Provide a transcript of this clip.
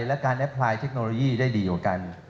และการแอปพลายเทคโนโลยีได้ดีกว่ากัน